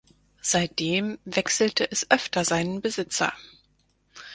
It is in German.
Seitdem wechselte es öfter seinen Besitzer.